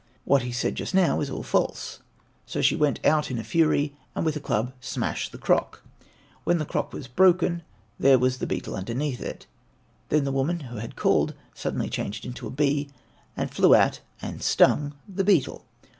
What he said just now is all false," so she went out in a fury, and with a club smashed the crock. When the crock was broken there was the beetle underneath it. Then the woman who had called suddenly changed into a bee, and flew at and stung the beetle.